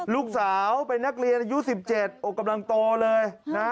ลูกสาวเป็นนักเรียนอายุ๑๗กำลังโตเลยนะ